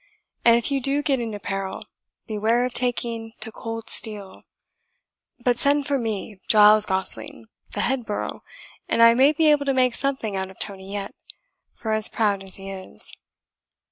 And if you do get into peril, beware of taking to cold steel; but send for me, Giles Gosling, the head borough, and I may be able to make something out of Tony yet, for as proud as he is."